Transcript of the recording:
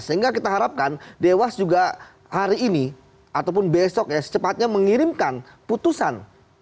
sehingga kita harapkan dewas juga hari ini ataupun besok ya secepatnya mengirimkan putusan